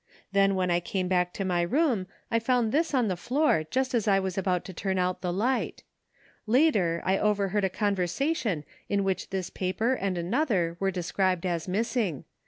Then when I came baxdc to my room I found this * on the floor just as I was about to turn out the light Later I overheard a conversation in which this paper and another were described as missing.